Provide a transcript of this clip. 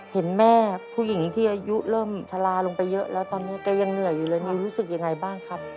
เห็นแม่ผู้หญิงที่อายุเริ่มชะลาลงไปเยอะแล้วตอนนี้แกยังเหนื่อยอยู่เลยนิวรู้สึกยังไงบ้างครับ